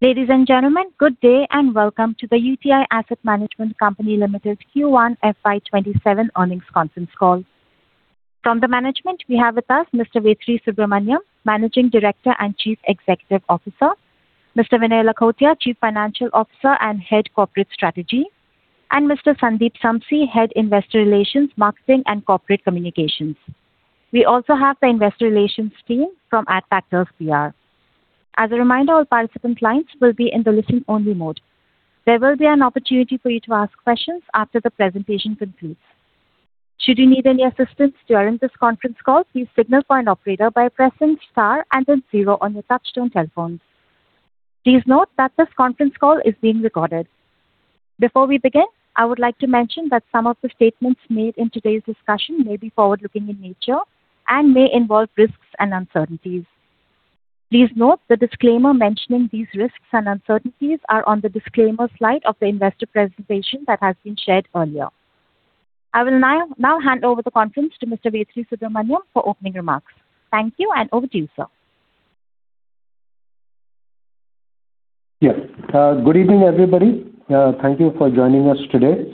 Ladies and gentlemen, good day and welcome to the UTI Asset Management Company Limited Q1 FY 2027 earnings conference call. From the management, we have with us Mr. Vetri Subramaniam, Managing Director and Chief Executive Officer; Mr. Vinay Lakhotia, Chief Financial Officer and Head Corporate Strategy; and Mr. Sandeep Samsi, Head Investor Relations, Marketing, and Corporate Communications. We also have the investor relations team from Adfactors PR. As a reminder, all participant lines will be in the listen-only mode. There will be an opportunity for you to ask questions after the presentation concludes. Should you need any assistance during this conference call, please signal for an operator by pressing star and then zero on your touchtone telephones. Please note that this conference call is being recorded. Before we begin, I would like to mention that some of the statements made in today's discussion may be forward-looking in nature and may involve risks and uncertainties. Please note the disclaimer mentioning these risks and uncertainties are on the disclaimer slide of the investor presentation that has been shared earlier. I will now hand over the conference to Mr. Vetri Subramaniam for opening remarks. Thank you, and over to you, sir. Yes. Good evening, everybody. Thank you for joining us today.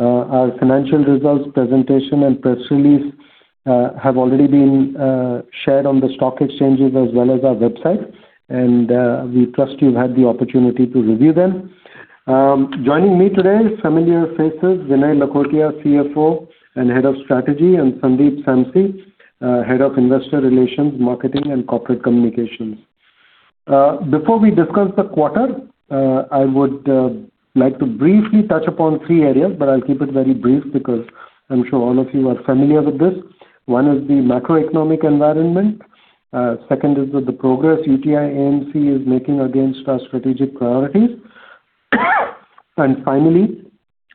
Our financial results presentation and press release have already been shared on the stock exchanges as well as our website, we trust you've had the opportunity to review them. Joining me today is familiar faces Vinay Lakhotia, CFO and Head of Strategy, and Sandeep Samsi, Head of Investor Relations, Marketing, and Corporate Communications. Before we discuss the quarter, I would like to briefly touch upon three areas, but I'll keep it very brief because I'm sure all of you are familiar with this. One is the macroeconomic environment. Second is the progress UTI AMC is making against our strategic priorities. Finally,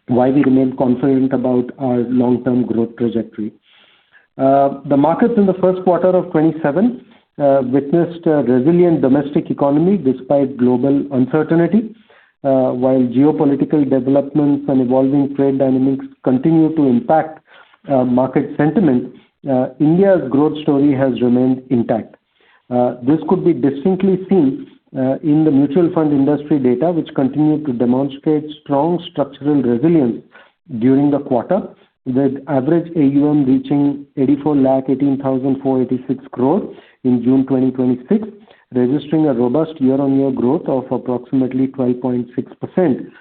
why we remain confident about our long-term growth trajectory. The markets in the first quarter of 2027 witnessed a resilient domestic economy despite global uncertainty. While geopolitical developments and evolving trade dynamics continue to impact market sentiment, India's growth story has remained intact. This could be distinctly seen in the mutual fund industry data, which continued to demonstrate strong structural resilience during the quarter, with average AUM reaching 84,018,486 crores in June 2026, registering a robust year-on-year growth of approximately 12.6%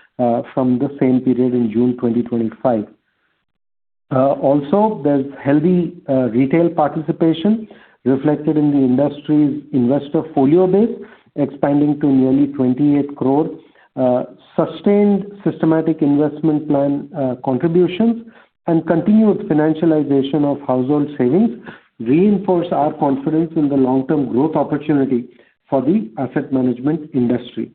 from the same period in June 2025. Also, there's healthy retail participation reflected in the industry's investor folio base expanding to nearly 28 crores. Sustained systematic investment plan contributions and continued financialization of household savings reinforce our confidence in the long-term growth opportunity for the asset management industry.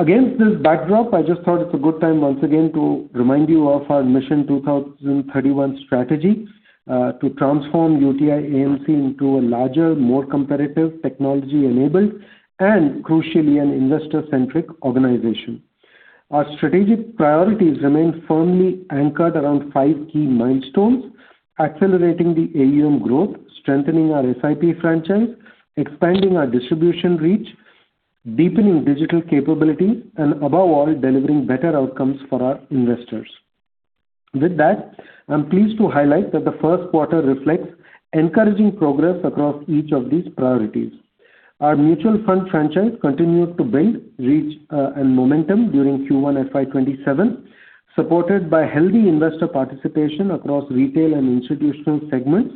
Against this backdrop, I just thought it's a good time once again to remind you of our Mission 2031 strategy to transform UTI AMC into a larger, more competitive, technology-enabled and, crucially, an investor-centric organization. Our strategic priorities remain firmly anchored around five key milestones: accelerating the AUM growth, strengthening our SIP franchise, expanding our distribution reach, deepening digital capabilities and, above all, delivering better outcomes for our investors. With that, I'm pleased to highlight that the first quarter reflects encouraging progress across each of these priorities. Our mutual fund franchise continued to build reach and momentum during Q1 FY 2027, supported by healthy investor participation across retail and institutional segments.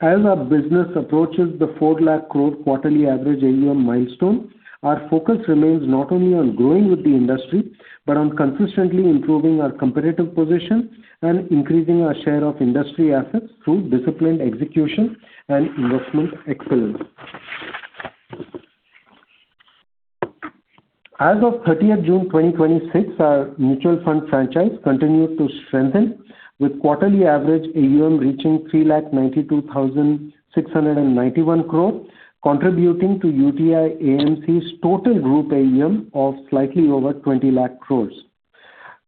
As our business approaches the 4 lakh crore quarterly average AUM milestone, our focus remains not only on growing with the industry but on consistently improving our competitive position and increasing our share of industry assets through disciplined execution and investment excellence. As of 30th June 2026, our mutual fund franchise continued to strengthen with quarterly average AUM reaching 392,691 crore, contributing to UTI AMC's total group AUM of slightly over 20 lakh crore.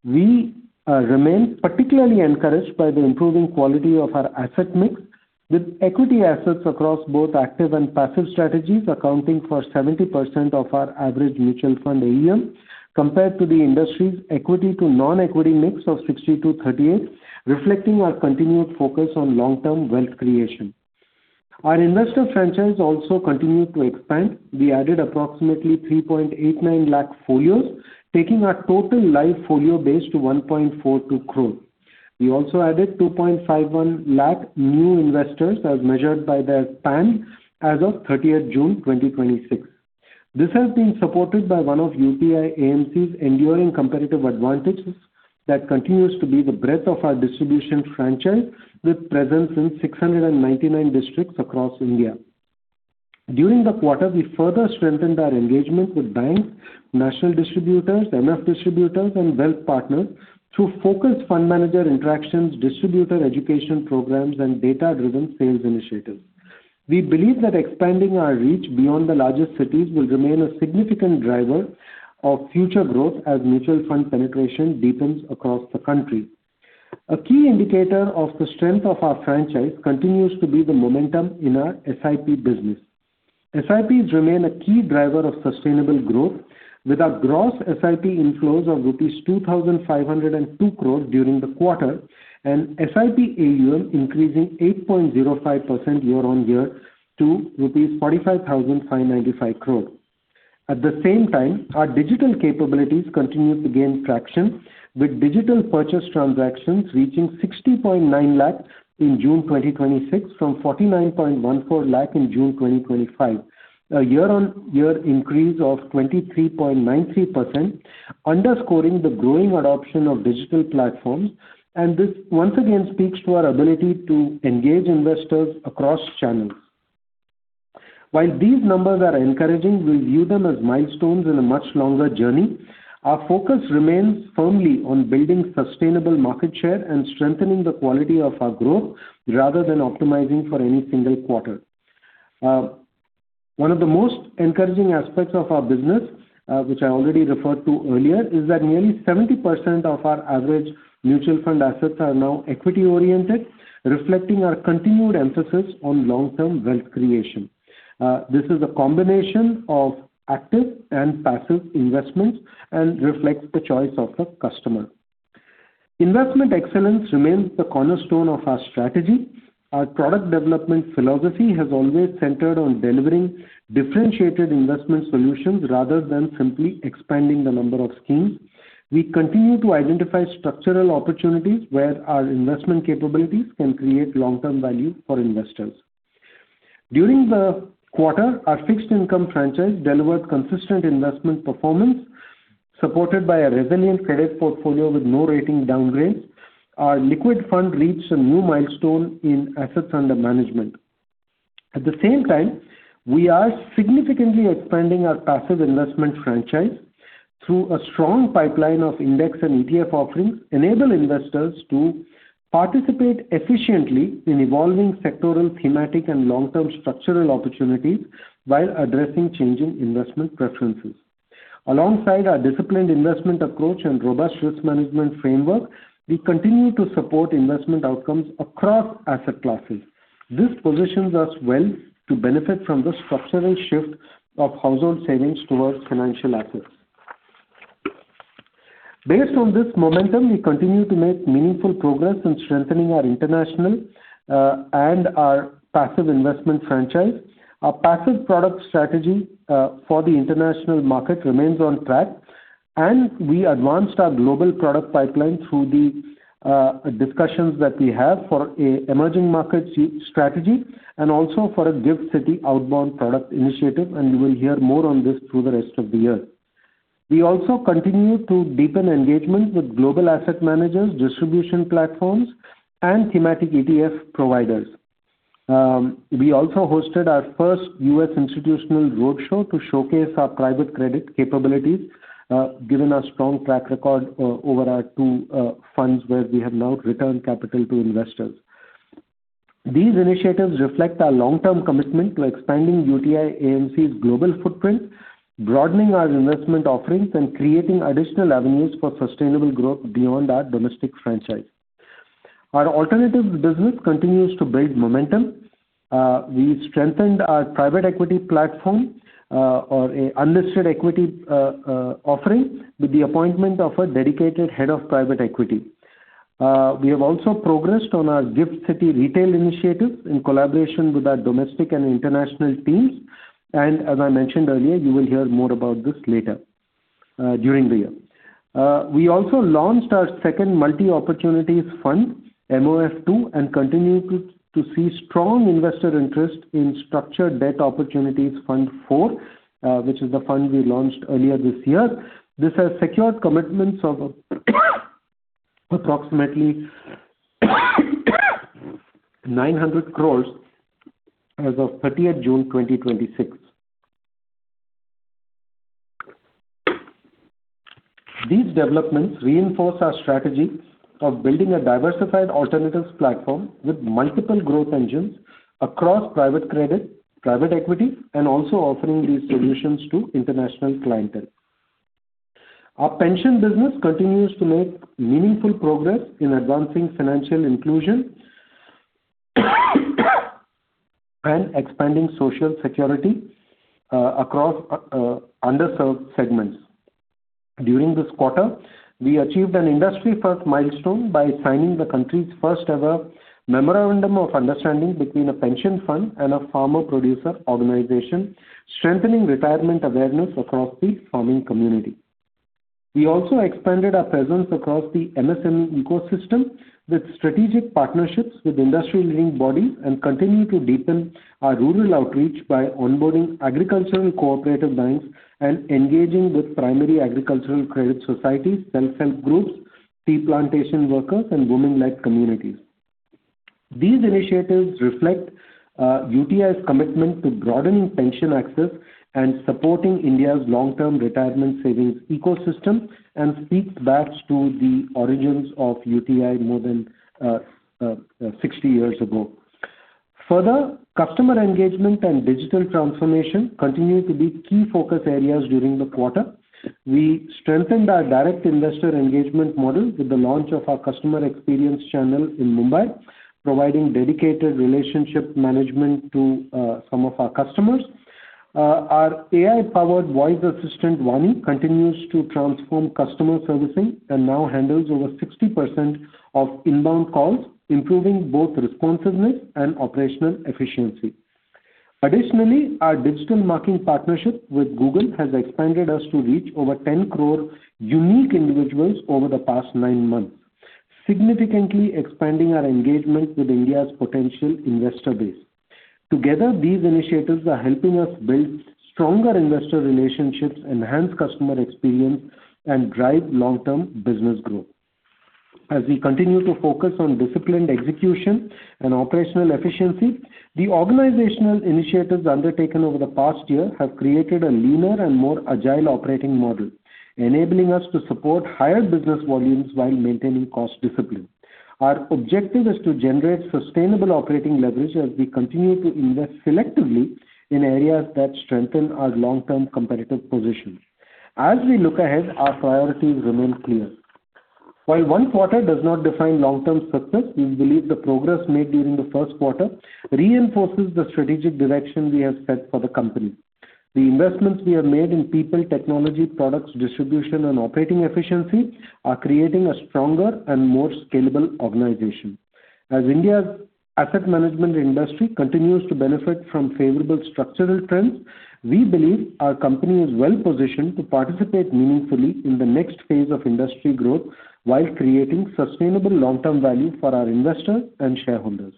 We remain particularly encouraged by the improving quality of our asset mix, with equity assets across both active and passive strategies accounting for 70% of our average mutual fund AUM compared to the industry's equity to non-equity mix of 60%-38%, reflecting our continued focus on long-term wealth creation. Our investor franchise also continued to expand. We added approximately 3.89 lakh folios, taking our total live folio base to 1.42 crore. We also added 2.51 lakh new investors as measured by their PAN as of 30th June 2026. This has been supported by one of UTI AMC's enduring competitive advantages that continues to be the breadth of our distribution franchise, with presence in 699 districts across India. During the quarter, we further strengthened our engagement with banks, national distributors, MF distributors, and wealth partners through focused fund manager interactions, distributor education programs, and data-driven sales initiatives. We believe that expanding our reach beyond the largest cities will remain a significant driver of future growth as mutual fund penetration deepens across the country. A key indicator of the strength of our franchise continues to be the momentum in our SIP business. SIPs remain a key driver of sustainable growth, with our gross SIP inflows of rupees 2,502 crore during the quarter, and SIP AUM increasing 8.05% year-on-year to rupees 45,595 crore. At the same time, our digital capabilities continued to gain traction, with digital purchase transactions reaching 60.9 lakh in June 2026 from 49.14 lakh in June 2025. A year-on-year increase of 23.93%, underscoring the growing adoption of digital platforms and this once again speaks to our ability to engage investors across channels. While these numbers are encouraging, we view them as milestones in a much longer journey. Our focus remains firmly on building sustainable market share and strengthening the quality of our growth rather than optimizing for any single quarter. One of the most encouraging aspects of our business, which I already referred to earlier, is that nearly 70% of our average mutual fund assets are now equity oriented, reflecting our continued emphasis on long-term wealth creation. This is a combination of active and passive investments and reflects the choice of the customer. Investment excellence remains the cornerstone of our strategy. Our product development philosophy has always centered on delivering differentiated investment solutions rather than simply expanding the number of schemes. We continue to identify structural opportunities where our investment capabilities can create long-term value for investors. During the quarter, our fixed income franchise delivered consistent investment performance, supported by a resilient credit portfolio with no rating downgrades. Our liquid fund reached a new milestone in assets under management. At the same time, we are significantly expanding our passive investment franchise through a strong pipeline of index and ETF offerings, enable investors to participate efficiently in evolving sectoral, thematic, and long-term structural opportunities while addressing changing investment preferences. Alongside our disciplined investment approach and robust risk management framework, we continue to support investment outcomes across asset classes. This positions us well to benefit from the structural shift of household savings towards financial assets. Based on this momentum, we continue to make meaningful progress in strengthening our international and our passive investment franchise. Our passive product strategy for the international market remains on track. We advanced our global product pipeline through the discussions that we have for emerging market strategy and also for a Gift City outbound product initiative. You will hear more on this through the rest of the year. We also continue to deepen engagement with global asset managers, distribution platforms, and thematic ETF providers. We also hosted our first U.S. institutional roadshow to showcase our private credit capabilities given our strong track record over our two funds where we have now returned capital to investors. These initiatives reflect our long-term commitment to expanding UTI AMC's global footprint, broadening our investment offerings, and creating additional avenues for sustainable growth beyond our domestic franchise. Our alternatives business continues to build momentum. We strengthened our private equity platform or unlisted equity offerings with the appointment of a dedicated head of private equity. We have also progressed on our Gift City retail initiative in collaboration with our domestic and international teams. As I mentioned earlier, you will hear more about this later during the year. We also launched our second multi-opportunities fund, MOF II, and continue to see strong investor interest in Structured Debt Opportunities Fund IV, which is the fund we launched earlier this year. This has secured commitments of approximately 900 crores as of 30th June 2026. These developments reinforce our strategy of building a diversified alternatives platform with multiple growth engines across private credit, private equity, and also offering these solutions to international clientele. Our pension business continues to make meaningful progress in advancing financial inclusion and expanding social security across underserved segments. During this quarter, we achieved an industry first milestone by signing the country's first ever memorandum of understanding between a pension fund and a pharma producer organization, strengthening retirement awareness across the farming community. We also expanded our presence across the MSME ecosystem with strategic partnerships with industry leading bodies and continue to deepen our rural outreach by onboarding agricultural and cooperative banks and engaging with primary agricultural credit societies, self-help groups, tea plantation workers, and women-led communities. These initiatives reflect UTI's commitment to broadening pension access and supporting India's long-term retirement savings ecosystem and speaks back to the origins of UTI more than 60 years ago. Further, customer engagement and digital transformation continued to be key focus areas during the quarter. We strengthened our direct investor engagement model with the launch of our customer experience channel in Mumbai, providing dedicated relationship management to some of our customers. Our AI-powered voice assistant, VAANI, continues to transform customer servicing and now handles over 60% of inbound calls, improving both responsiveness and operational efficiency. Additionally, our digital marketing partnership with Google has expanded us to reach over 10 crore unique individuals over the past nine months, significantly expanding our engagement with India's potential investor base. Together, these initiatives are helping us build stronger investor relationships, enhance customer experience, and drive long-term business growth. As we continue to focus on disciplined execution and operational efficiency, the organizational initiatives undertaken over the past year have created a leaner and more agile operating model, enabling us to support higher business volumes while maintaining cost discipline. Our objective is to generate sustainable operating leverage as we continue to invest selectively in areas that strengthen our long-term competitive position. As we look ahead, our priorities remain clear. While one quarter does not define long-term success, we believe the progress made during the first quarter reinforces the strategic direction we have set for the company. The investments we have made in people, technology, products, distribution, and operating efficiency are creating a stronger and more scalable organization. As India's asset management industry continues to benefit from favorable structural trends, we believe our company is well-positioned to participate meaningfully in the next phase of industry growth while creating sustainable long-term value for our investors and shareholders.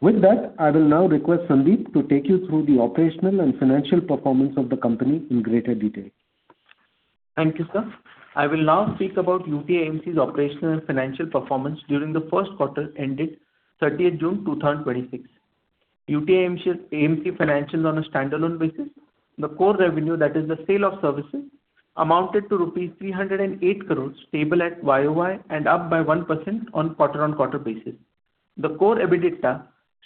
With that, I will now request Sandeep to take you through the operational and financial performance of the company in greater detail. Thank you, sir. I will now speak about UTI AMC's operational and financial performance during the first quarter ended 30th June 2026. UTI AMC financials on a standalone basis. The core revenue, that is the sale of services, amounted to rupees 308 crore, stable at YOY and up by 1% on quarter-on-quarter basis. The core EBITDA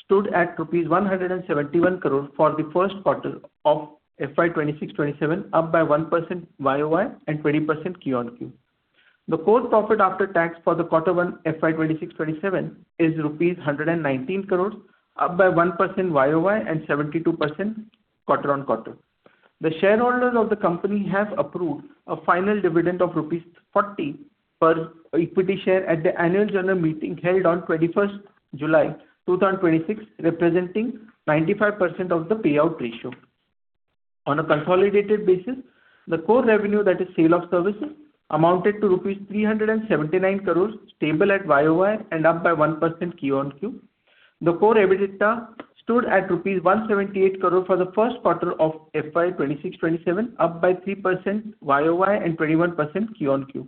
stood at rupees 171 crore for the first quarter of FY 2026/2027, up by 1% YOY and 20% QOQ. The core profit after tax for the quarter one FY 2026/2027 is rupees 119 crore, up by 1% YOY and 72% quarter-on-quarter. The shareholders of the company have approved a final dividend of rupees 40 per equity share at the annual general meeting held on 21st July 2026, representing 95% of the payout ratio. On a consolidated basis, the core revenue that is sale of services amounted to rupees 379 crore, stable at YOY and up by 1% QOQ. The core EBITDA stood at rupees 178 crore for the first quarter of FY 2026/2027, up by 3% YOY and 21% QOQ.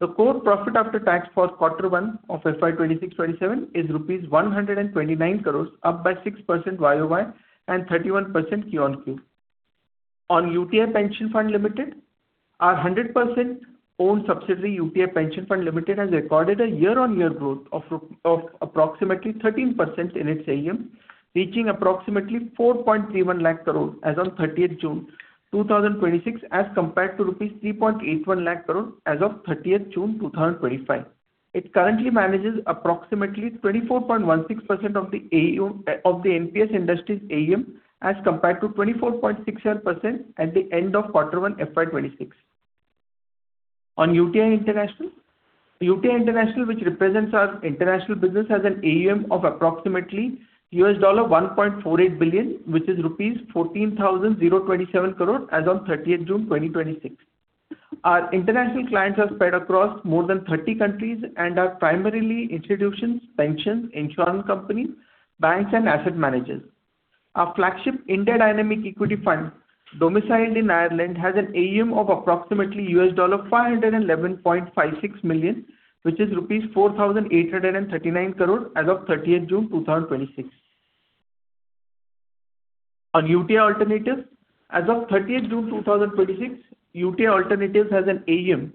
The core profit after tax for quarter one of FY 2026/2027 is 129 crore rupees, up by 6% YOY and 31% QOQ. On UTI Pension Fund Limited, our 100% owned subsidiary, UTI Pension Fund Limited, has recorded a year-on-year growth of approximately 13% in its AUM, reaching approximately 4.31 lakh crore as on 30th June 2026, as compared to rupees 3.81 lakh crore as of 30th June 2025. It currently manages approximately 24.16% of the NPS industry's AUM as compared to 24.67% at the end of quarter one FY 2026. On UTI International. UTI International, which represents our international business, has an AUM of approximately $1.48 billion, which is rupees 14,027 crores as of 30th June 2026. Our international clients are spread across more than 30 countries and are primarily institutions, pensions, insurance companies, banks, and asset managers. Our flagship India Dynamic Equity Fund, domiciled in Ireland, has an AUM of approximately $511.56 million, which is rupees 4,839 crores as of 30th June 2026. On UTI Alternatives. As of 30th June 2026, UTI Alternatives has an AUM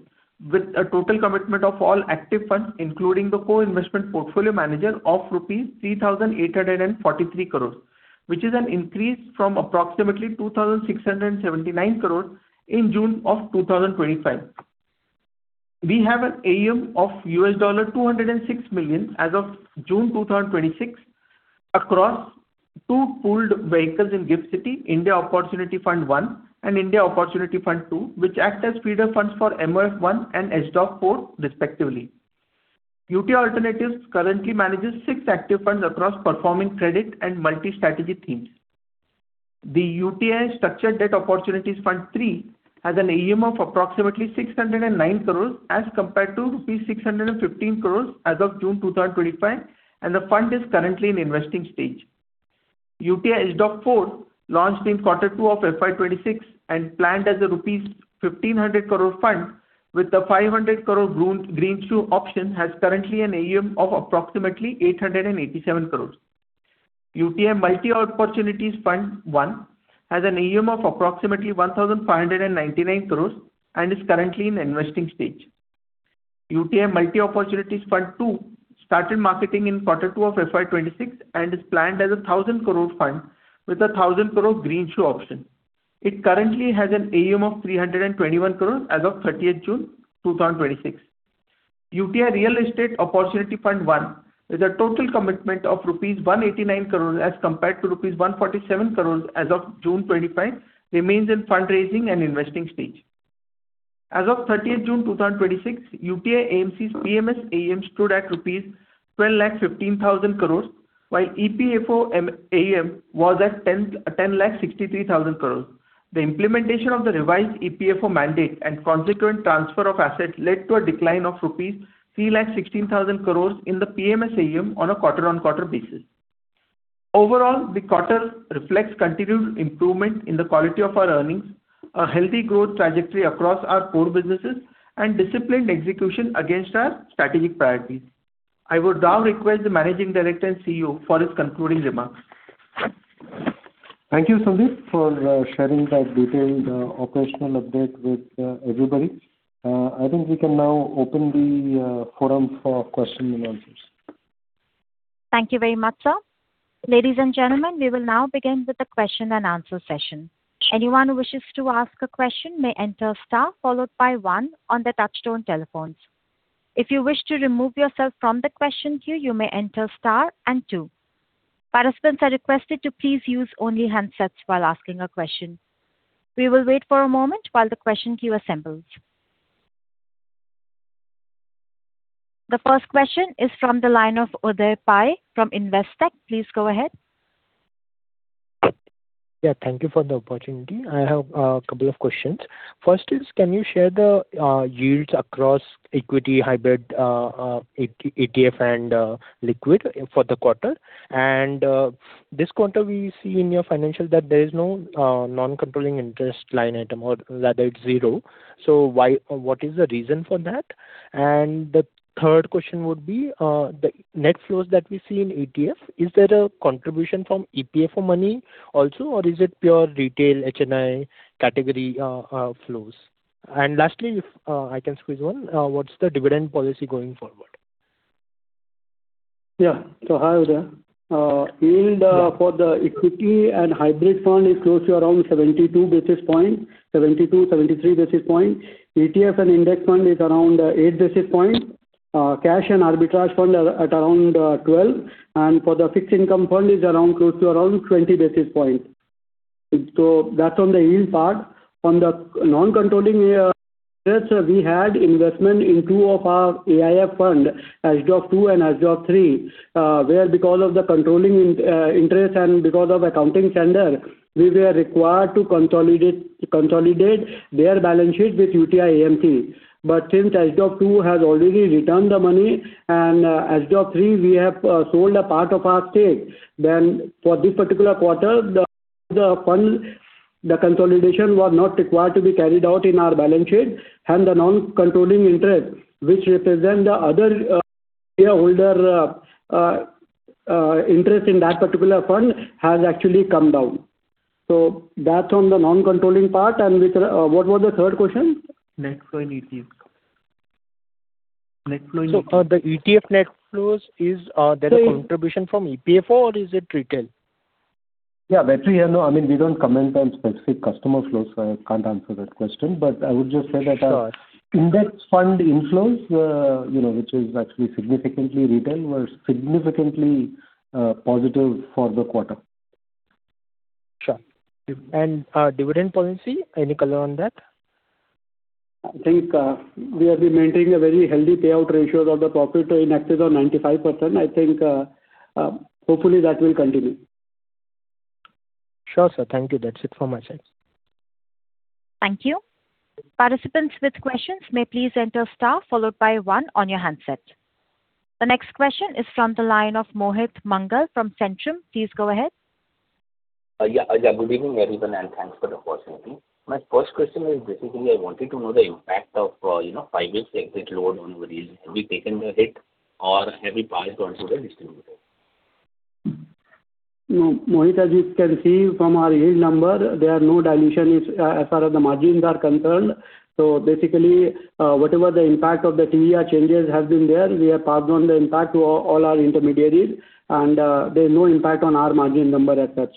with a total commitment of all active funds, including the co-investment portfolio manager of rupees 3,843 crores, which is an increase from approximately 2,679 crores in June 2025. We have an AUM of $206 million as of June 2026 across two pooled vehicles in Gift City, India Opportunity Fund 1 and India Opportunity Fund 2, which act as feeder funds for MOF1 and HDOC4 respectively. UTI Alternatives currently manages six active funds across performing credit and multi-strategy themes. The UTI Structured Debt Opportunities Fund 3 has an AUM of approximately 609 crores as compared to rupees 615 crores as of June 2025, and the fund is currently in investing stage. UTI HDOC4, launched in Q2 FY 2026 and planned as an rupees 1,500 crore fund with an 500 crore green shoe option, has currently an AUM of approximately 887 crores. UTI Multi-Opportunities Fund 1 has an AUM of approximately 1,599 crores and is currently in investing stage. UTI Multi-Opportunities Fund II started marketing in Q2 FY 2026 and is planned as an 1,000 crore fund with an 1,000 crore green shoe option. It currently has an AUM of 321 crore as of 30th June 2026. UTI Real Estate Opportunities Fund I is a total commitment of rupees 189 crores as compared to rupees 147 crores as of June 2025, remains in fundraising and investing stage. As of 30th June 2026, UTI AMC's PMS AUM stood at rupees 12,015,000 crores, while GPAFO AUM was at 10,063,000 crores. The implementation of the revised EPFO mandate and consequent transfer of assets led to a decline of rupees 36,000 crores in the PMS AUM on a quarter-on-quarter basis. Overall, the quarter reflects continued improvement in the quality of our earnings, a healthy growth trajectory across our core businesses, and disciplined execution against our strategic priorities. I would now request the managing director and CEO for his concluding remarks. Thank you, Sandeep, for sharing that detailed operational update with everybody. I think we can now open the forum for questions and answers. Thank you very much, sir. Ladies and gentlemen, we will now begin with the question and answer session. Anyone who wishes to ask a question may enter star followed by one on their touchtone telephones. If you wish to remove yourself from the question queue, you may enter star and two. Participants are requested to please use only handsets while asking a question. We will wait for a moment while the question queue assembles. The first question is from the line of Uday Pai from Investec. Please go ahead. Thank you for the opportunity. I have a couple of questions. First is, can you share the yields across equity, hybrid, ETF, and liquid for the quarter? This quarter, we see in your financials that there is no non-controlling interest line item or that it's zero. What is the reason for that? The third question would be, the net flows that we see in ETF, is that a contribution from GPAFO money also, or is it pure retail HNI category flows? Lastly, if I can squeeze one, what's the dividend policy going forward? Hi, Uday. Yield for the equity and hybrid fund is closely around 72 basis points, 72-73 basis points. ETF and index fund is around eight basis points. Cash and arbitrage fund are at around 12, and for the fixed income fund is close to around 20 basis points. That's on the yield part. On the non-controlling interest, we had investment in two of our AIF funds, SDOF II and SDOF III, where because of the controlling interest and because of accounting standard, we were required to consolidate their balance sheet with UTI AMC. Since SDOF II has already returned the money and SDOF III, we have sold a part of our stake, for this particular quarter, the fund, the consolidation was not required to be carried out in our balance sheet and the non-controlling interest, which represent the other shareholder interest in that particular fund has actually come down. That's on the non-controlling part. What was the third question? Net flow in ETF. Net flow in ETF. The ETF net flows, is there a contribution from GPAFO or is it retail? Yeah, actually, we don't comment on specific customer flows, I can't answer that question. I would just say. Sure. Index fund inflows which is actually significantly retail, were significantly positive for the quarter. Sure. Dividend policy, any color on that? I think we have been maintaining a very healthy payout ratios of the profit in excess of 95%. I think hopefully that will continue. Sure, sir. Thank you. That's it from my side. Thank you. Participants with questions may please enter star followed by one on your handsets. The next question is from the line of Mohit Mangal from Centrum. Please go ahead. Yeah. Good evening, everyone, and thanks for the opportunity. My first question is basically I wanted to know the impact of five years exit load on your yields. Have you taken the hit or have you passed on to the distributor? Mohit, as you can see from our yield number, there are no dilutions as far as the margins are concerned. Basically, whatever the impact of the TER changes has been there, we have passed on the impact to all our intermediaries, and there's no impact on our margin number as such.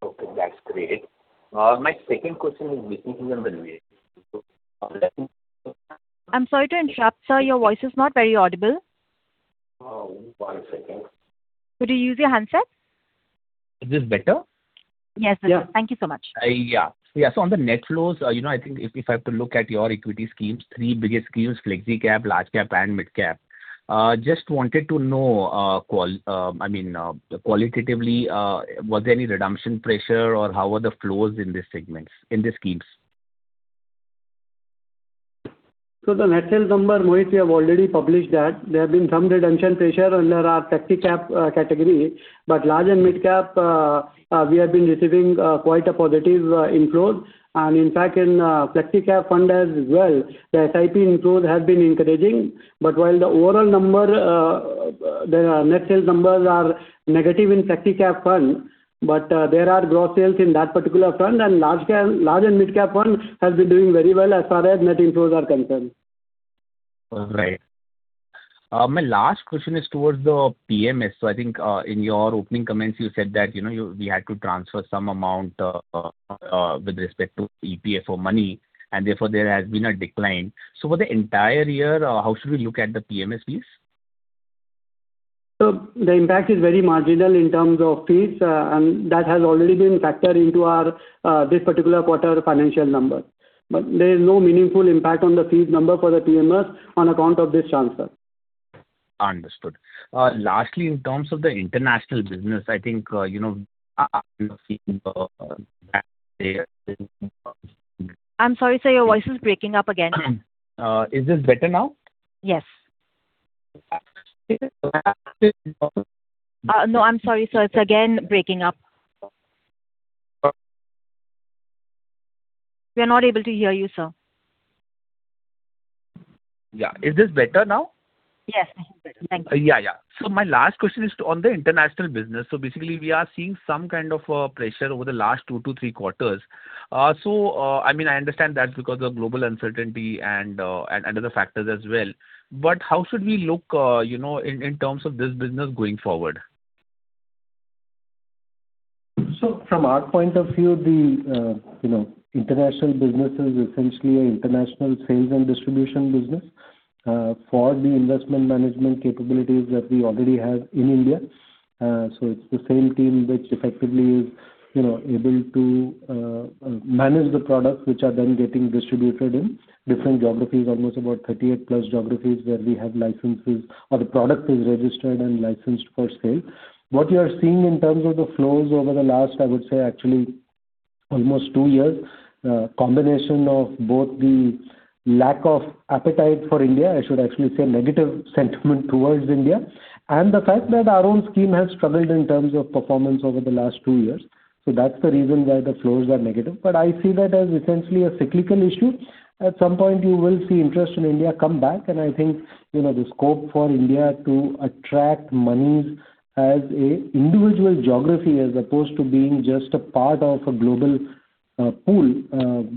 Okay, that's great. My second question is basically on the. I'm sorry to interrupt, sir. Your voice is not very audible. Oh, one second. Could you use your handset? Is this better? Yes, better. Thank you so much. Yeah. On the net flows, I think if I have to look at your equity schemes, three biggest schemes, flexi-cap, large-cap, and mid-cap. Just wanted to know, qualitatively, was there any redemption pressure or how were the flows in these schemes? The net sales number, Mohit, we have already published that. There have been some redemption pressure under our flexi-cap category. Large and mid-cap, we have been receiving quite a positive inflows. In fact, in flexi-cap fund as well, the SIP inflows have been encouraging. While the overall number, the net sales numbers are negative in flexi-cap fund, there are gross sales in that particular fund and large and mid-cap fund has been doing very well as far as net inflows are concerned. All right. My last question is towards the PMS. I think in your opening comments, you said that we had to transfer some amount with respect to EPF money, and therefore there has been a decline. For the entire year, how should we look at the PMS fees? The impact is very marginal in terms of fees, and that has already been factored into this particular quarter financial number. There is no meaningful impact on the fee number for the PMS on account of this transfer. Understood. Lastly, in terms of the international business, I think. I'm sorry, sir. Your voice is breaking up again. Is this better now? Yes. No, I'm sorry, sir. It's again breaking up. We are not able to hear you, sir. Yeah. Is this better now? Yes, much better. Thank you. Yeah. My last question is on the international business. Basically, we are seeing some kind of pressure over the last two to three quarters. I understand that's because of global uncertainty and other factors as well. How should we look in terms of this business going forward? From our point of view, the international business is essentially an international sales and distribution business for the investment management capabilities that we already have in India. It's the same team which effectively is able to manage the products which are then getting distributed in different geographies, almost about 38+ geographies where we have licenses or the product is registered and licensed for sale. What you are seeing in terms of the flows over the last, I would say actually almost two years, a combination of both the lack of appetite for India, I should actually say negative sentiment towards India, and the fact that our own scheme has struggled in terms of performance over the last two years. That's the reason why the flows were negative. I see that as essentially a cyclical issue. At some point, you will see interest in India come back. I think the scope for India to attract money as an individual geography as opposed to being just a part of a global pool,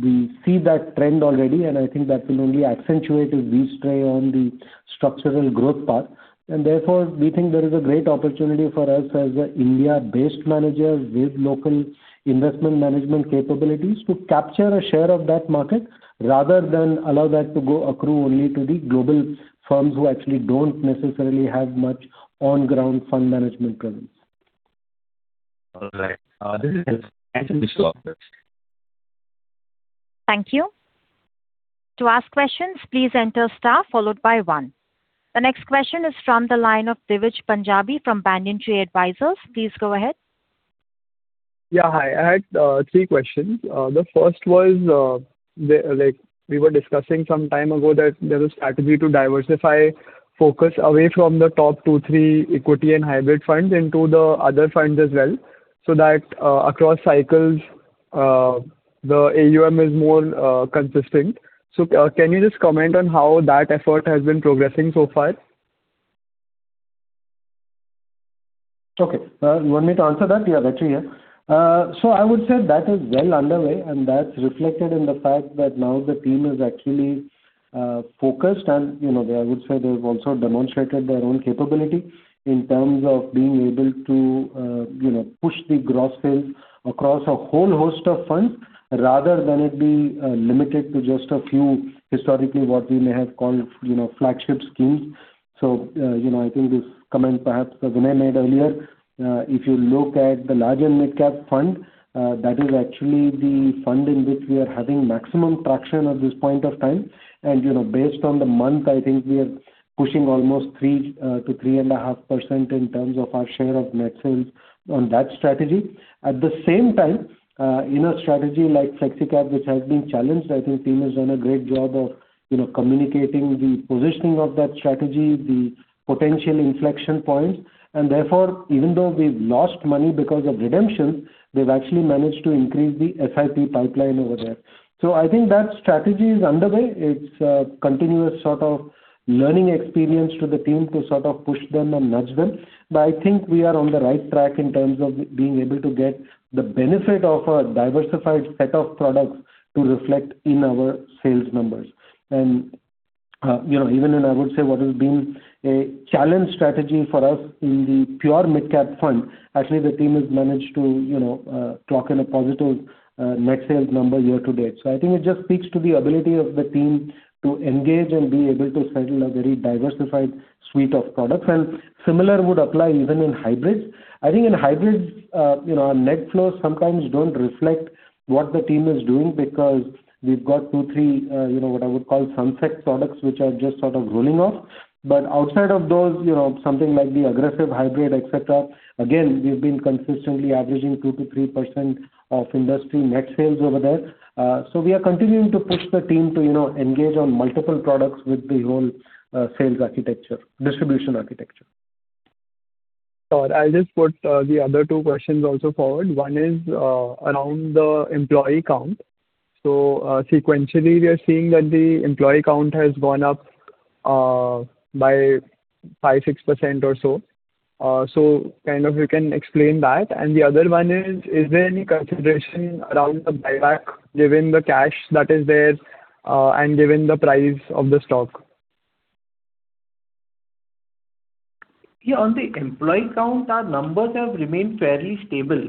we see that trend already. I think that will only accentuate if we stay on the structural growth path. Therefore, we think there is a great opportunity for us as an India-based manager with local investment management capabilities to capture a share of that market rather than allow that to go accrue only to the global firms who actually don't necessarily have much on-ground fund management presence. All right. This is helpful. Thanks a lot. Thank you. To ask questions, please enter star followed by one. The next question is from the line of Divij Punjabi from Banyan Tree Advisors. Please go ahead. Yeah, hi. I had three questions. The first was, we were discussing some time ago that there is a strategy to diversify focus away from the top two, three equity and hybrid funds into the other funds as well, so that across cycles, the AUM is more consistent. Can you just comment on how that effort has been progressing so far? Okay. You want me to answer that? Yeah, actually. I would say that is well underway, and that's reflected in the fact that now the team is actually focused, and I would say they've also demonstrated their own capability in terms of being able to push the gross sales across a whole host of funds rather than it be limited to just a few, historically, what we may have called flagship schemes. I think this comment perhaps Vinay made earlier. If you look at the larger midcap fund, that is actually the fund in which we are having maximum traction at this point of time. Based on the month, I think we are pushing almost 3%-3.5% in terms of our share of net sales on that strategy. At the same time, in a strategy like Flexi Cap, which has been challenged, I think the team has done a great job of communicating the positioning of that strategy, the potential inflection points. Therefore, even though we've lost money because of redemption, we've actually managed to increase the SIP pipeline over there. I think that strategy is underway. It's a continuous sort of learning experience to the team to sort of push them and nudge them. I think we are on the right track in terms of being able to get the benefit of a diversified set of products to reflect in our sales numbers. Even in, I would say, what has been a challenge strategy for us in the pure midcap fund, actually, the team has managed to clock in a positive net sales number year to date. I think it just speaks to the ability of the team to engage and be able to sell a very diversified suite of products. Similar would apply even in hybrids. I think in hybrids, our net flows sometimes don't reflect what the team is doing because we've got two, three, what I would call sunset products, which are just sort of rolling off. Outside of those, something like the aggressive hybrid, et cetera, again, we've been consistently averaging 2%-3% of industry net sales over there. We are continuing to push the team to engage on multiple products with the whole sales architecture, distribution architecture. Sorry, I'll just put the other two questions also forward. One is around the employee count. Sequentially, we are seeing that the employee count has gone up by 5%, 6% or so. Kind of you can explain that. The other one is there any consideration around the buyback given the cash that is there, and given the price of the stock? On the employee count, our numbers have remained fairly stable.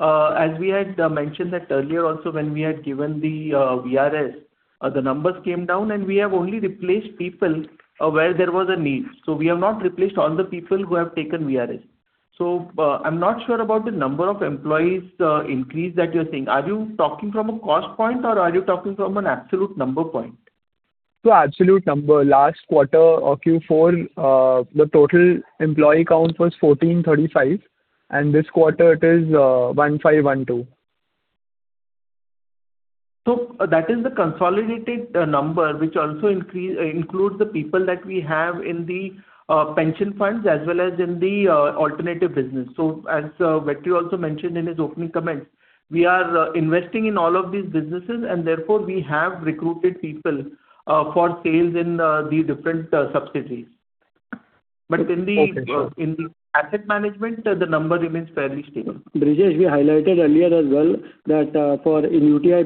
As we had mentioned that earlier also when we had given the VRS, the numbers came down and we have only replaced people where there was a need. We have not replaced all the people who have taken VRS. I'm not sure about the number of employees increase that you're seeing. Are you talking from a cost point or are you talking from an absolute number point? Absolute number. Last quarter of Q4, the total employee count was 1,435, and this quarter it is 1,512. That is the consolidated number, which also includes the people that we have in the pension funds as well as in the alternative business. As Vetri also mentioned in his opening comments, we are investing in all of these businesses, and therefore, we have recruited people for sales in the different subsidiaries. Okay. Sure. In the asset management, the number remains fairly stable. We highlighted earlier as well that for in UTI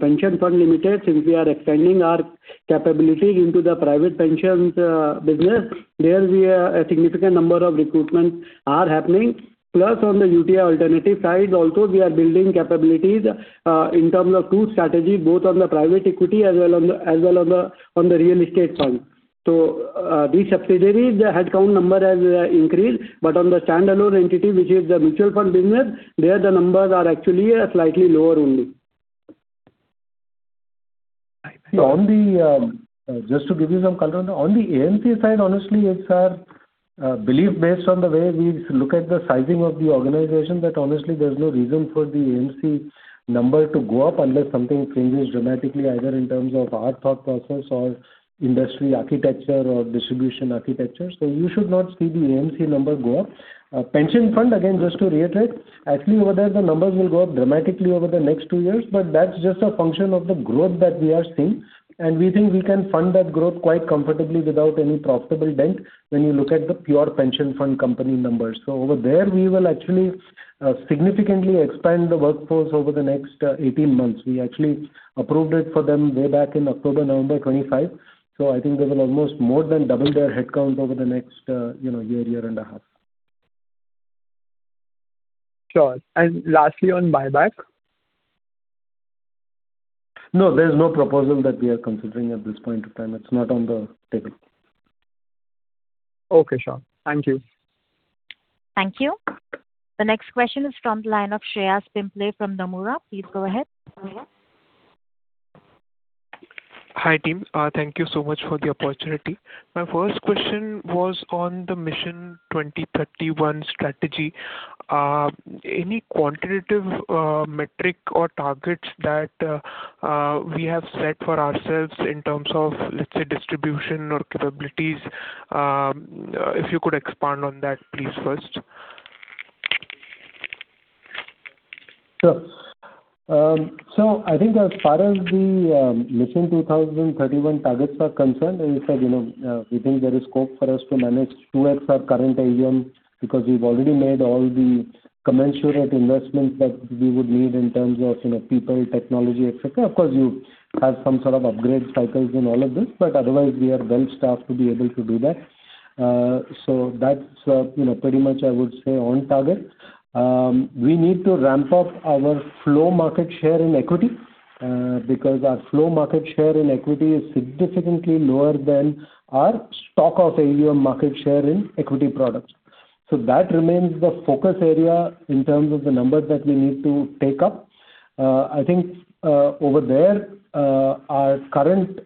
Pension Fund Limited, since we are expanding our capabilities into the private pensions business, there will be a significant number of recruitment are happening. Plus, on the UTI Alternatives side also, we are building capabilities in terms of two strategies, both on the private equity as well on the real estate front. These subsidiaries, the headcount number has increased, but on the standalone entity, which is the mutual fund business, there the numbers are actually slightly lower only. Just to give you some color on the AMC side, honestly, it's our belief based on the way we look at the sizing of the organization, that honestly, there's no reason for the AMC number to go up unless something changes dramatically, either in terms of our thought process or industry architecture or distribution architecture. You should not see the AMC number go up. Pension fund, again, just to reiterate, actually over there the numbers will go up dramatically over the next two years, but that's just a function of the growth that we are seeing. We think we can fund that growth quite comfortably without any profitable bank when you look at the pure pension fund company numbers. Over there, we will actually significantly expand the workforce over the next 18 months. We actually approved it for them way back in October, November 2025. I think they will almost more than double their headcount over the next year and a half. Sure. Lastly, on buyback? No, there's no proposal that we are considering at this point of time. It's not on the table. Okay, sure. Thank you. Thank you. The next question is from the line of Shreyas Pimple from Nomura. Please go ahead. Hi, team. Thank you so much for the opportunity. My first question was on the Mission 2031 strategy. Any quantitative metric or targets that we have set for ourselves in terms of, let's say, distribution or capabilities? If you could expand on that please first. Sure. I think as far as the Mission 2031 targets are concerned, as we said, we think there is scope for us to manage 2X our current AUM because we've already made all the commensurate investments that we would need in terms of people, technology, et cetera. Of course, you have some sort of upgrade cycles in all of this, otherwise, we are well-staffed to be able to do that. That's pretty much I would say on target. We need to ramp up our flow market share in equity because our flow market share in equity is significantly lower than our stock of AUM market share in equity products. That remains the focus area in terms of the numbers that we need to take up. I think over there our current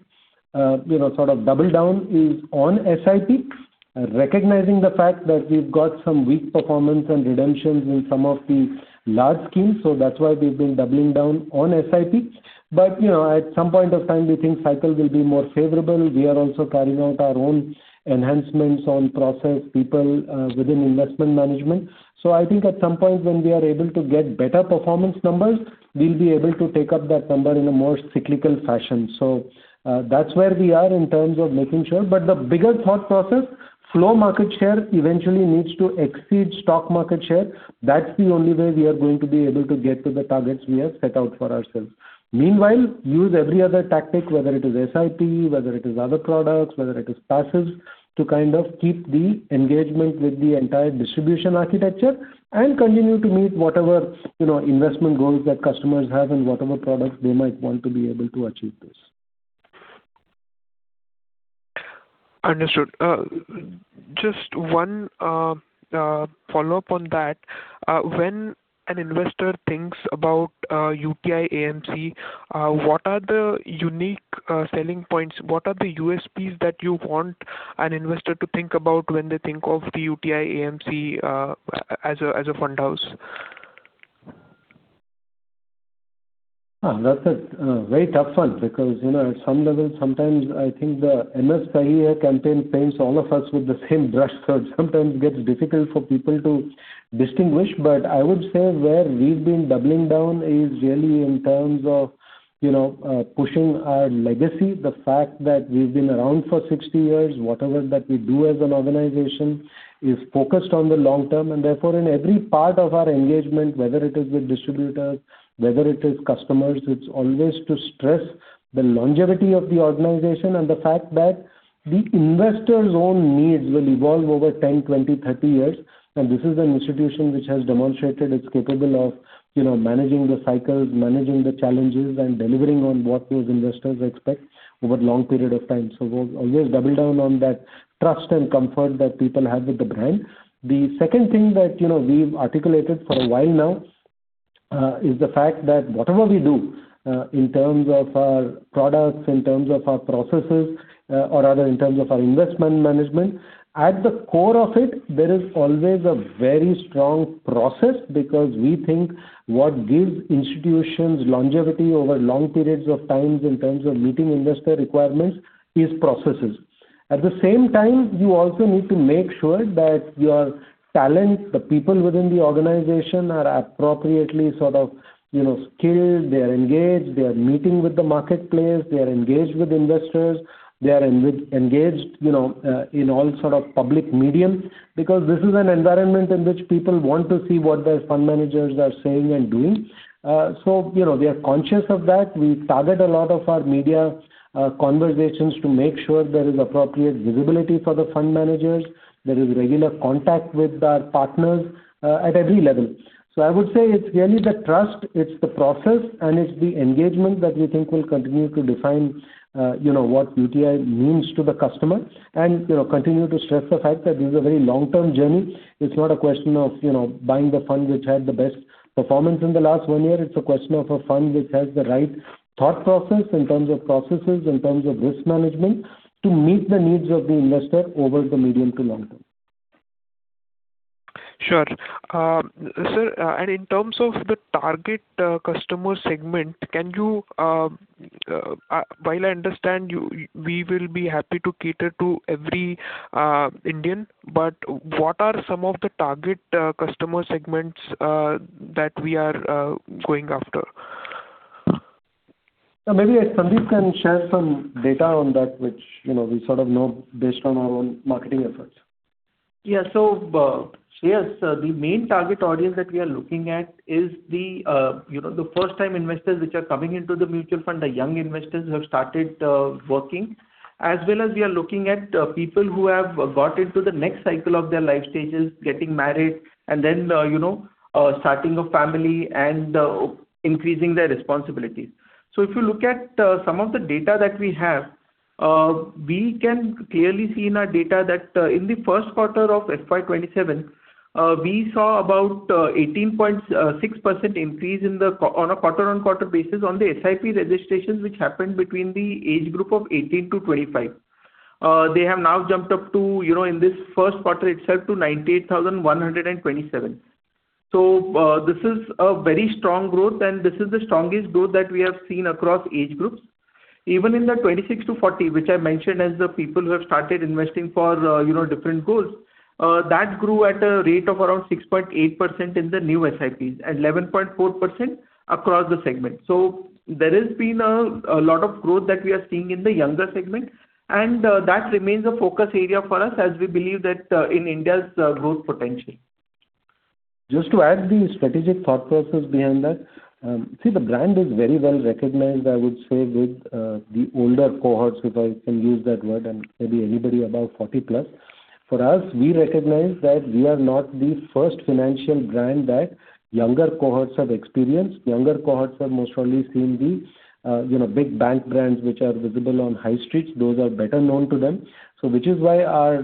sort of double down is on SIP, recognizing the fact that we've got some weak performance and redemptions in some of the large schemes, that's why we've been doubling down on SIP. At some point of time, we think cycle will be more favorable. We are also carrying out our own enhancements on process, people within investment management. I think at some point when we are able to get better performance numbers, we'll be able to take up that number in a more cyclical fashion. That's where we are in terms of making sure. The bigger thought process, flow market share eventually needs to exceed stock market share. That's the only way we are going to be able to get to the targets we have set out for ourselves. Meanwhile, use every other tactic, whether it is SIP, whether it is other products, whether it is passive, to kind of keep the engagement with the entire distribution architecture and continue to meet whatever investment goals that customers have and whatever products they might want to be able to achieve this. Understood. Just one follow-up on that. When an investor thinks about UTI AMC, what are the unique selling points? What are the USPs that you want an investor to think about when they think of the UTI AMC as a fund house? That's a very tough one because at some level, sometimes I think the NPS Ki Kahani campaign paints all of us with the same brush, it sometimes gets difficult for people to distinguish. I would say where we've been doubling down is really in terms of pushing our legacy. The fact that we've been around for 60 years, whatever that we do as an organization is focused on the long term, therefore in every part of our engagement, whether it is with distributors, whether it is customers, it's always to stress the longevity of the organization and the fact that the investor's own needs will evolve over 10 years, 20 years, 30 years. This is an institution which has demonstrated it's capable of managing the cycles, managing the challenges, and delivering on what those investors expect over long period of time. We'll always double down on that trust and comfort that people have with the brand. The second thing that we've articulated for a while now is the fact that whatever we do in terms of our products, in terms of our processes or rather in terms of our investment management, at the core of it, there is always a very strong process because we think what gives institutions longevity over long periods of times in terms of meeting investor requirements is processes. At the same time, you also need to make sure that your talent, the people within the organization are appropriately skilled, they are engaged, they are meeting with the marketplace, they are engaged with investors, they are engaged in all sort of public medium because this is an environment in which people want to see what their fund managers are saying and doing. We are conscious of that. We target a lot of our media conversations to make sure there is appropriate visibility for the fund managers, there is regular contact with our partners at every level. I would say it's really the trust, it's the process, and it's the engagement that we think will continue to define what UTI means to the customer and continue to stress the fact that this is a very long-term journey. It's not a question of buying the fund which had the best performance in the last one year. It's a question of a fund which has the right thought process in terms of processes, in terms of risk management to meet the needs of the investor over the medium to long term. Sure. Sir, in terms of the target customer segment, while I understand we will be happy to cater to every Indian, what are some of the target customer segments that we are going after? Maybe Sandeep can share some data on that which we sort of know based on our own marketing efforts. Shreyas, the main target audience that we are looking at is the first-time investors which are coming into the mutual fund, the young investors who have started working, as well as we are looking at people who have got into the next cycle of their life stages, getting married and then starting a family and increasing their responsibilities. If you look at some of the data that we have, we can clearly see in our data that in the first quarter of FY 2027 we saw about 18.6% increase on a quarter-on-quarter basis on the SIP registrations which happened between the age group of 18%-25%. They have now jumped up to, in this first quarter itself, to 98,127. This is a very strong growth and this is the strongest growth that we have seen across age groups. Even in the 26%-40% which I mentioned as the people who have started investing for different goals, that grew at a rate of around 6.8% in the new SIPs and 11.4% across the segment. There has been a lot of growth that we are seeing in the younger segment and that remains a focus area for us as we believe that in India's growth potential. Just to add the strategic thought process behind that. The brand is very well recognized, I would say with the older cohorts, if I can use that word and maybe anybody above 40+. For us, we recognize that we are not the first financial brand that younger cohorts have experienced. Younger cohorts have most probably seen the big bank brands which are visible on high streets. Those are better known to them. Which is why our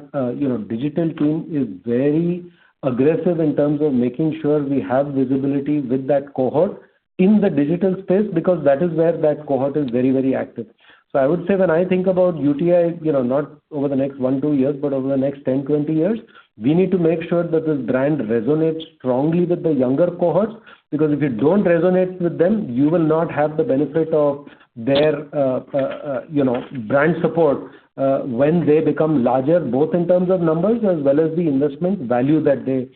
digital team is very aggressive in terms of making sure we have visibility with that cohort in the digital space because that is where that cohort is very active. I would say when I think about UTI, not over the next one, two years but over the next 10 years, 20 years, we need to make sure that this brand resonates strongly with the younger cohorts because if you don't resonate with them you will not have the benefit of their brand support when they become larger, both in terms of numbers as well as the investment value that they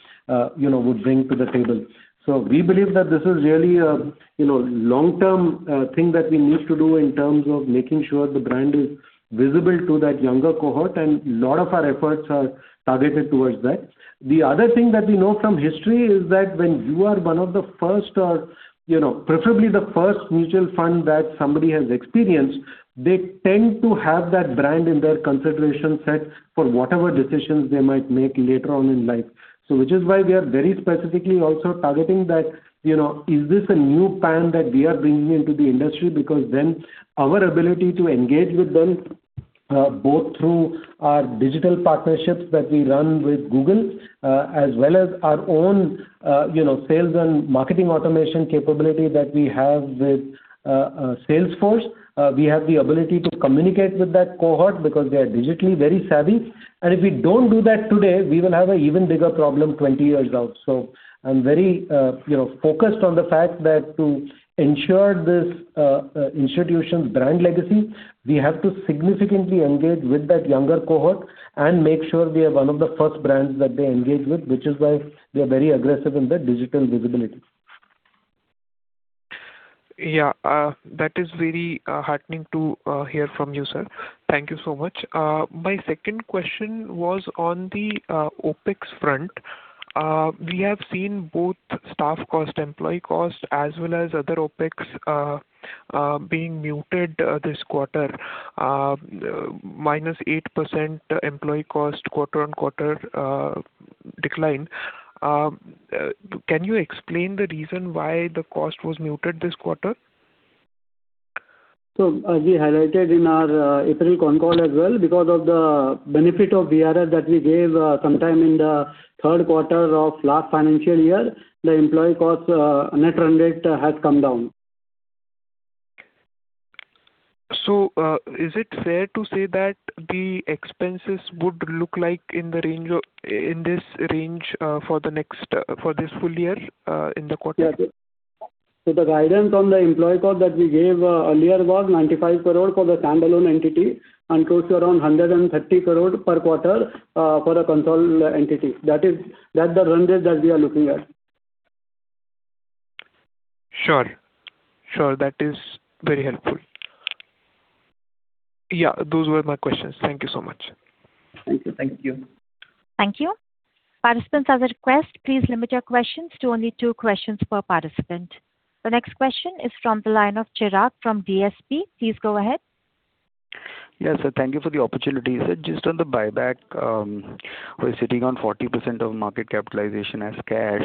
would bring to the table. We believe that this is really a long-term thing that we need to do in terms of making sure the brand is visible to that younger cohort and lot of our efforts are targeted towards that. The other thing that we know from history is that when you are one of the first or preferably the first mutual fund that somebody has experienced, they tend to have that brand in their consideration set for whatever decisions they might make later on in life. Which is why we are very specifically also targeting that, is this a new PAN that we are bringing into the industry? Then our ability to engage with them both through our digital partnerships that we run with Google as well as our own sales and marketing automation capability that we have with Salesforce. We have the ability to communicate with that cohort because they are digitally very savvy and if we don't do that today we will have an even bigger problem 20 years out. I'm very focused on the fact that to ensure this institution's brand legacy, we have to significantly engage with that younger cohort and make sure we are one of the first brands that they engage with, which is why we are very aggressive in the digital visibility. Yeah. That is very heartening to hear from you, sir. Thank you so much. My second question was on the OpEx front. We have seen both staff cost, employee cost, as well as other OpEx being muted this quarter. Minus 8% employee cost quarter-on-quarter decline. Can you explain the reason why the cost was muted this quarter? As we highlighted in our April con call as well, because of the benefit of VRS that we gave sometime in the third quarter of last financial year, the employee cost net run rate has come down. Is it fair to say that the expenses would look like in this range for this full year in the quarter? Yeah. The guidance on the employee cost that we gave earlier was 95 crore for the standalone entity and close to around 130 crore per quarter for the consolidated entity. That's the run rate that we are looking at. Sure. That is very helpful. Yeah, those were my questions. Thank you so much. Thank you. Thank you. Participants, as a request, please limit your questions to only two questions per participant. The next question is from the line of Chirag from DSP. Please go ahead. Yes, sir. Thank you for the opportunity. Sir, just on the buyback, we are sitting on 40% of market capitalization as cash.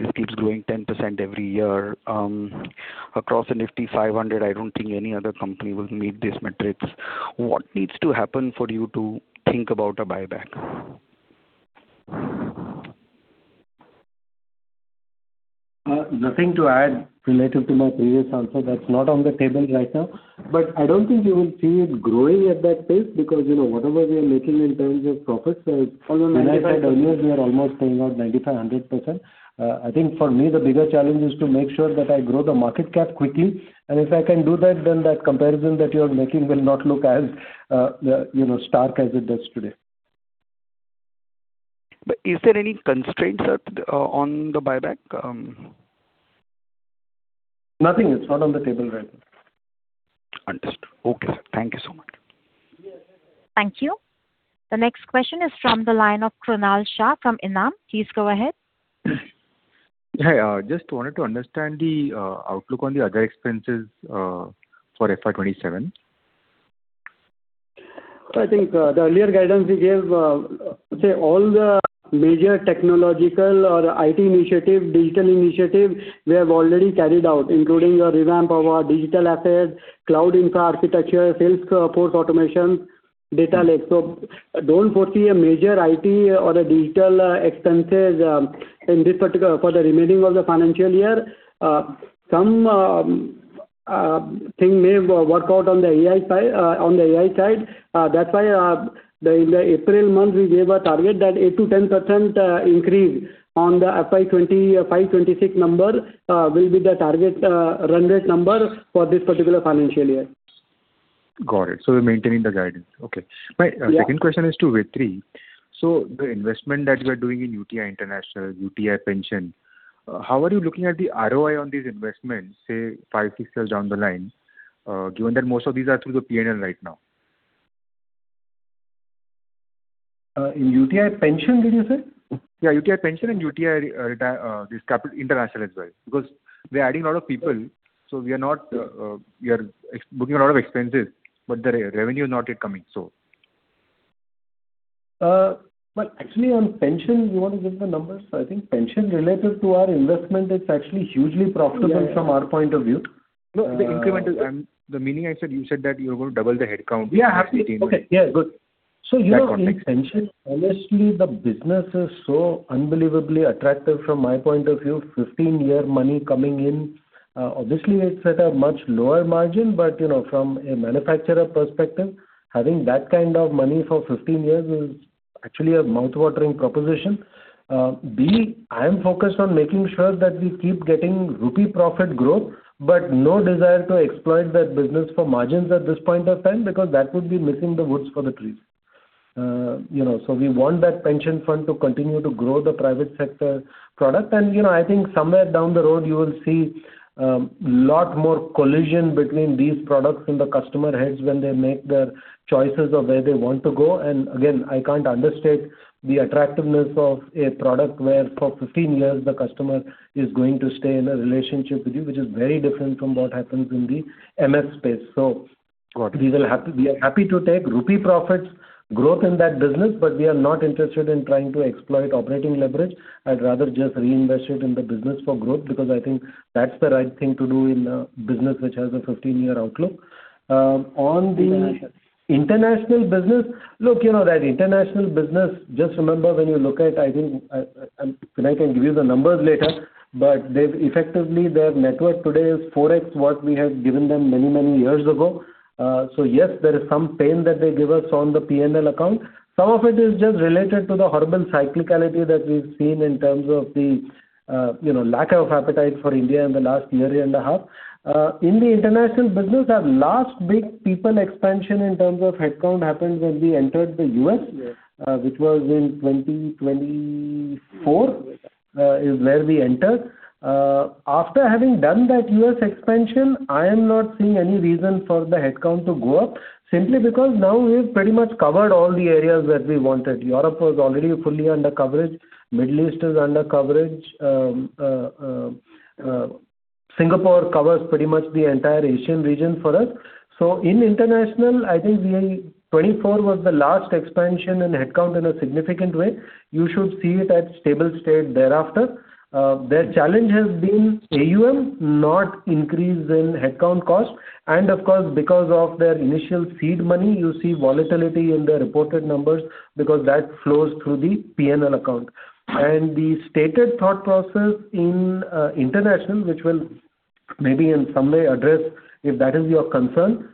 This keeps growing 10% every year. Across the Nifty 500, I don't think any other company will meet these metrics. What needs to happen for you to think about a buyback? Nothing to add relative to my previous answer. That's not on the table right now. I don't think you will see it growing at that pace because whatever we are making in terms of profits- Although- When I said earlier we are almost paying out 95%-100%. I think for me, the bigger challenge is to make sure that I grow the market cap quickly. If I can do that, then that comparison that you're making will not look as stark as it does today. Is there any constraints on the buyback? Nothing. It's not on the table right now. Understood. Okay, sir. Thank you so much. Thank you. The next question is from the line of Krunal Shah from ENAM. Please go ahead. Hi. Just wanted to understand the outlook on the other expenses for FY 2027. I think the earlier guidance we gave, all the major technological or IT initiative, digital initiative, we have already carried out, including a revamp of our digital assets, cloud infra architecture, Salesforce automation, data lake. Don't foresee a major IT or digital expenses for the remaining of the financial year. Something may work out on the AI side. That's why in the April month, we gave a target that 8%-10% increase on the FY 2025, 2026 number will be the target run rate number for this particular financial year. Got it. We're maintaining the guidance. Okay. Yeah. My second question is to Vetri. The investment that you are doing in UTI International, UTI Pension, how are you looking at the ROI on these investments, say, five, six years down the line, given that most of these are through the P&L right now? In UTI Pension, did you say? Yeah, UTI Pension and UTI International as well. We are adding a lot of people, so we are booking a lot of expenses, but the revenue is not yet coming. On Pension, you want to give the numbers? I think Pension relative to our investment is actually hugely profitable from our point of view. No, the incremental. The meaning I said, you said that you're going to double the headcount. Yeah, absolutely. Okay. Yeah, good. So- That context In pension, honestly, the business is so unbelievably attractive from my point of view, 15-year money coming in. Obviously, it's at a much lower margin, but from a manufacturer perspective, having that kind of money for 15 years is actually a mouth-watering proposition. I am focused on making sure that we keep getting rupee profit growth, but no desire to exploit that business for margins at this point of time, because that would be missing the woods for the trees. We want that pension fund to continue to grow the private sector product. I think somewhere down the road, you will see a lot more collision between these products in the customer heads when they make their choices of where they want to go. Again, I can't understate the attractiveness of a product where for 15 years the customer is going to stay in a relationship with you, which is very different from what happens in the MF space. Got it. We are happy to take INR profits growth in that business. We are not interested in trying to exploit operating leverage. I'd rather just reinvest it in the business for growth because I think that's the right thing to do in a business which has a 15-year outlook. International business. Look, that international business, just remember when you look at, and I can give you the numbers later. Effectively, their network today is 4x what we had given them many, many years ago. Yes, there is some pain that they give us on the P&L account. Some of it is just related to the horrible cyclicality that we've seen in terms of the lack of appetite for India in the last year and a half. In the international business, our last big people expansion in terms of headcount happened when we entered the U.S.- Yes. Which was in 2024. Is where we enter. After having done that U.S. expansion, I am not seeing any reason for the headcount to go up, simply because now we've pretty much covered all the areas that we wanted. Europe was already fully under coverage, Middle East is under coverage, Singapore covers pretty much the entire Asian region for us. In international, I think 2024 was the last expansion in headcount in a significant way. You should see it at stable state thereafter. The challenge has been AUM, not increase in headcount cost. Of course, because of their initial seed money, you see volatility in the reported numbers because that flows through the P&L account. The stated thought process in International, which will maybe in some way address if that is your concern,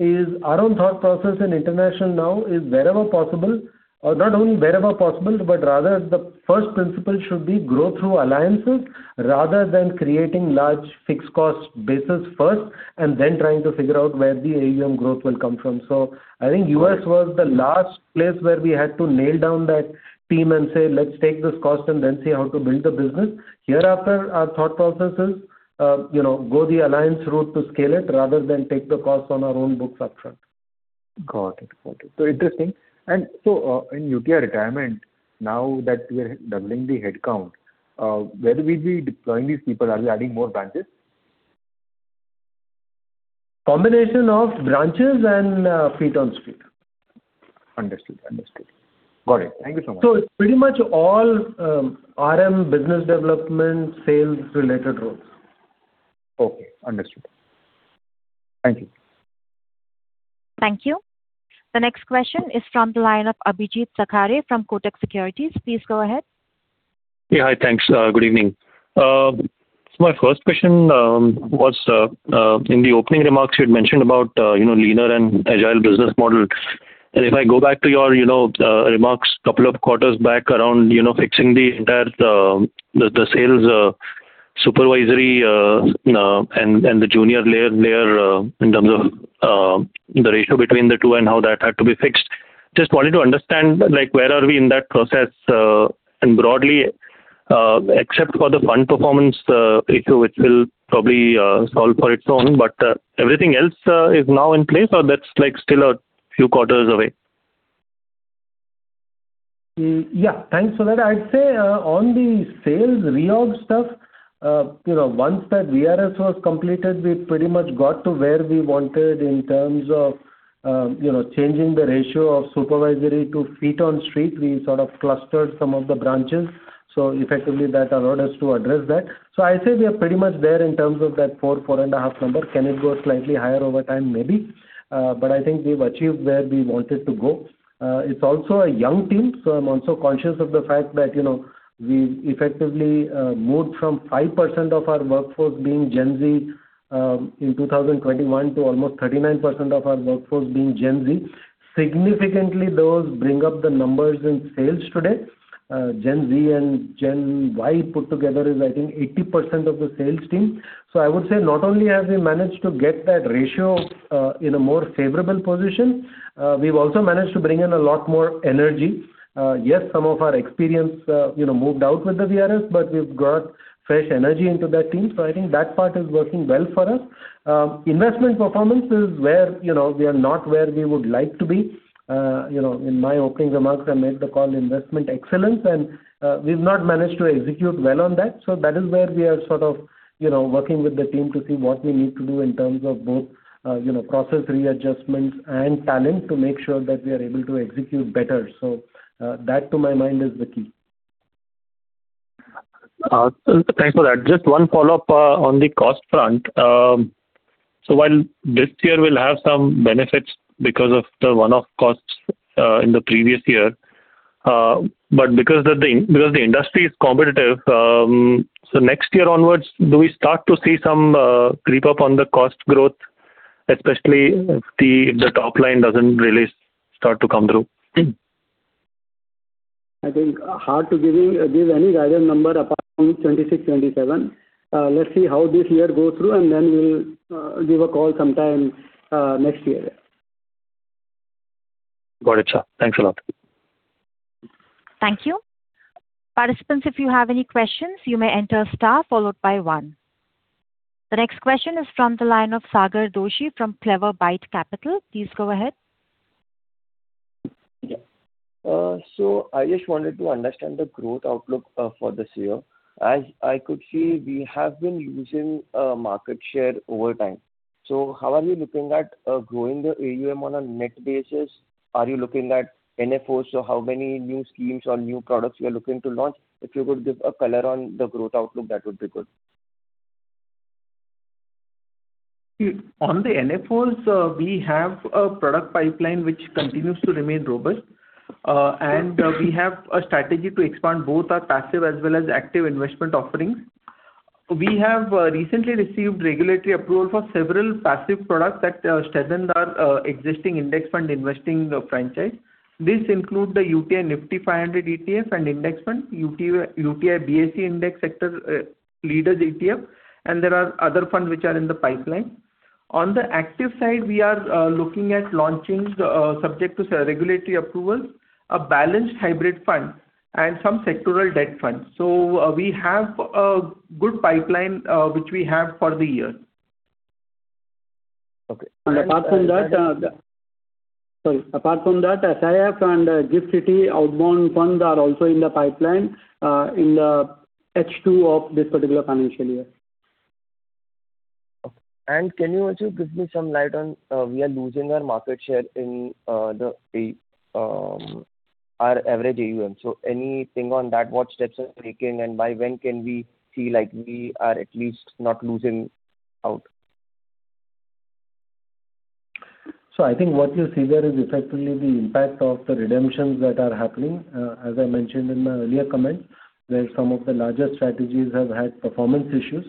is our own thought process in International now is wherever possible, or not only wherever possible, but rather the first principle should be grow through alliances rather than creating large fixed cost bases first and then trying to figure out where the AUM growth will come from. I think U.S. was the last place where we had to nail down that team and say, "Let's take this cost and then see how to build the business." Hereafter, our thought process is go the alliance route to scale it rather than take the cost on our own books upfront. Got it. Got it. Interesting. In UTI Retirement, now that we're doubling the headcount, where will we be deploying these people? Are we adding more branches? Combination of branches and feet on street. Understood. Understood. Got it. Thank you so much. It's pretty much all RM business development, sales-related roles. Okay. Understood. Thank you. Thank you. The next question is from the line of Abhijeet Sakhare from Kotak Securities. Please go ahead. Hi. Thanks. Good evening. My first question was, in the opening remarks you had mentioned about leaner and agile business model. If I go back to your remarks couple of quarters back around fixing the entire sales supervisory, and the junior layer there in terms of the ratio between the two and how that had to be fixed. Just wanted to understand, where are we in that process? Broadly, except for the fund performance issue which will probably solve for its own, but everything else is now in place or that's still a few quarters away? Thanks for that. I'd say on the sales reorg stuff, once that VRS was completed, we pretty much got to where we wanted in terms of changing the ratio of supervisory to feet on street. We sort of clustered some of the branches. Effectively that allowed us to address that. I'd say we are pretty much there in terms of that 4.5 number. Can it go slightly higher over time? Maybe. But I think we've achieved where we wanted to go. It's also a young team, so I'm also conscious of the fact that we effectively moved from 5% of our workforce being Gen Z in 2021 to almost 39% of our workforce being Gen Z. Significantly, those bring up the numbers in sales today. Gen Z and Gen Y put together is, I think, 80% of the sales team. I would say not only have we managed to get that ratio in a more favorable position, we've also managed to bring in a lot more energy. Yes, some of our experience moved out with the VRS, but we've got fresh energy into that team. I think that part is working well for us. Investment performance is where we are not where we would like to be. In my opening remarks, I made the call investment excellence, and we've not managed to execute well on that. That is where we are sort of working with the team to see what we need to do in terms of both process readjustments and talent to make sure that we are able to execute better. That to my mind is the key. Awesome. Thanks for that. Just one follow-up on the cost front. While this year we'll have some benefits because of the one-off costs in the previous year. Because the industry is competitive, next year onwards, do we start to see some creep up on the cost growth, especially if the top line doesn't really start to come through? I think hard to give any guided number apart from 2026, 2027. Let's see how this year goes through, then we'll give a call sometime next year. Got it, sir. Thanks a lot. Thank you. Participants, if you have any questions, you may enter star followed by one. The next question is from the line of Sagar Doshi from CleverByte Capital. Please go ahead. I just wanted to understand the growth outlook for this year. As I could see, we have been losing market share over time. How are you looking at growing the AUM on a net basis? Are you looking at NFOs, how many new schemes or new products you are looking to launch? If you could give a color on the growth outlook, that would be good. On the NFOs, we have a product pipeline which continues to remain robust. We have a strategy to expand both our passive as well as active investment offerings. We have recently received regulatory approval for several passive products that strengthen our existing index fund investing franchise. This includes the UTI Nifty 500 ETFs and index fund, UTI BSE Sensex ETF, and there are other funds which are in the pipeline. On the active side, we are looking at launching, subject to regulatory approvals, a balanced hybrid fund and some sectoral debt funds. We have a good pipeline which we have for the year. Okay. Apart from that, SIF and Gift City outbound funds are also in the pipeline in H2 of this particular financial year. Can you also give me some light on, we are losing our market share in our average AUM. Anything on that, what steps you're taking and by when can we see like we are at least not losing out? I think what you see there is effectively the impact of the redemptions that are happening. As I mentioned in my earlier comment, where some of the larger strategies have had performance issues.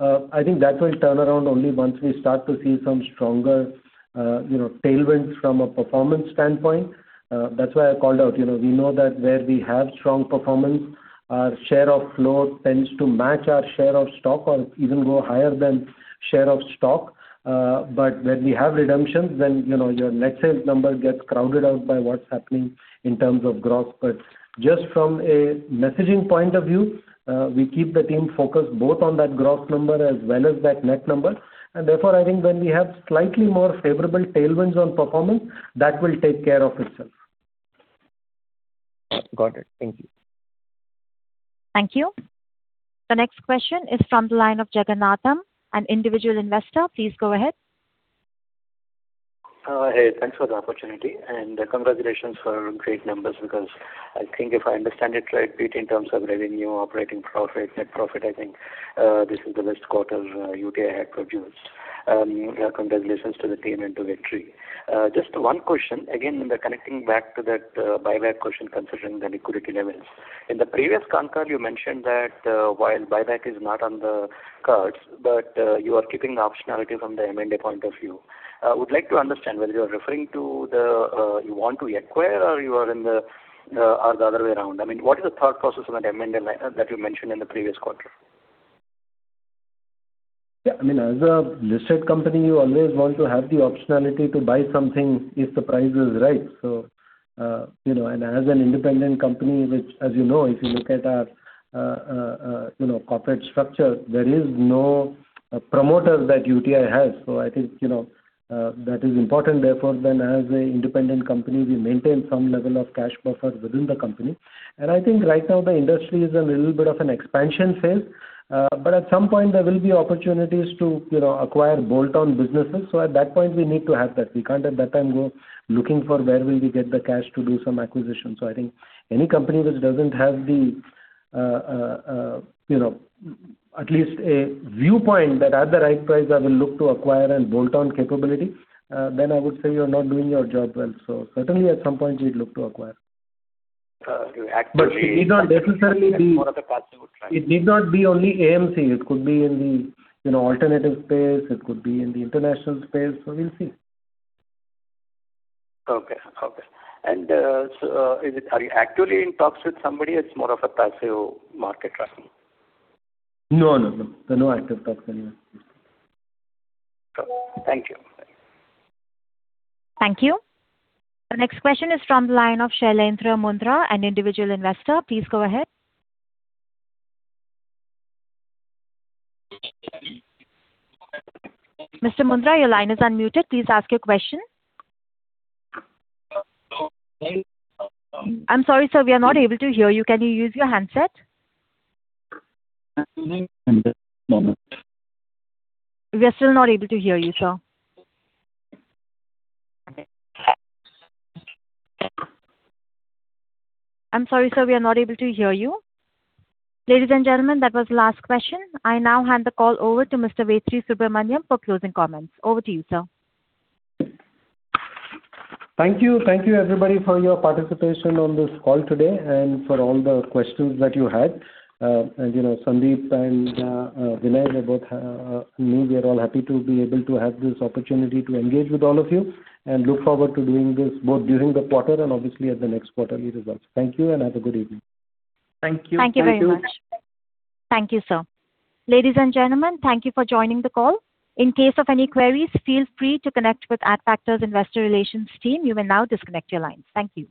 I think that will turn around only once we start to see some stronger tailwinds from a performance standpoint. That's why I called out. We know that where we have strong performance, our share of flow tends to match our share of stock or even go higher than share of stock. When we have redemptions, then your net sales number gets crowded out by what's happening in terms of gross. Just from a messaging point of view, we keep the team focused both on that gross number as well as that net number. Therefore, I think when we have slightly more favorable tailwinds on performance, that will take care of itself. Got it. Thank you. Thank you. The next question is from the line of [Jagannatham], an individual investor. Please go ahead. Hey, thanks for the opportunity. Congratulations for great numbers because I think if I understand it right, be it in terms of revenue, operating profit, net profit, I think this is the best quarter UTI had produced. Congratulations to the team and to Vetri. Just one question, again, connecting back to that buyback question considering the liquidity levels. In the previous concall, you mentioned that while buyback is not on the cards, you are keeping the optionality from the M&A point of view. I would like to understand whether you are referring to you want to acquire or the other way around. I mean, what is the thought process on that M&A that you mentioned in the previous quarter? Yeah, as a listed company, you always want to have the optionality to buy something if the price is right. As an independent company, which as you know, if you look at our corporate structure, there is no promoter that UTI has. I think, that is important. As an independent company, we maintain some level of cash buffer within the company. I think right now the industry is a little bit of an expansion phase. At some point, there will be opportunities to acquire bolt-on businesses. At that point, we need to have that. We can't at that time go looking for where will we get the cash to do some acquisitions. I think any company which doesn't have at least a viewpoint that at the right price, I will look to acquire and bolt-on capability I would say you're not doing your job well. Certainly at some point we'd look to acquire. Are you actively- It need not necessarily be- It's more of a possible trend. It need not be only AMC. It could be in the alternative space, it could be in the international space. We'll see. Okay. Are you actually in talks with somebody or it's more of a possible market rattling? No. No active talks going on. Okay. Thank you. Thank you. The next question is from the line of Shailendra Mundra, an individual investor. Please go ahead. Mr. Mundra, your line is unmuted. Please ask your question. I'm sorry, sir. We are not able to hear you. Can you use your handset? Just a moment. We are still not able to hear you, sir. I'm sorry, sir. We are not able to hear you. Ladies and gentlemen, that was the last question. I now hand the call over to Mr. Vetri Subramaniam for closing comments. Over to you, sir. Thank you. Thank you everybody for your participation on this call today and for all the questions that you had. Sandeep and Vinay and me, we are all happy to be able to have this opportunity to engage with all of you and look forward to doing this both during the quarter and obviously at the next quarterly results. Thank you and have a good evening. Thank you. Thank you very much. Thank you, sir. Ladies and gentlemen, thank you for joining the call. In case of any queries, feel free to connect with Adfactors' Investor Relations team. You may now disconnect your lines. Thank you.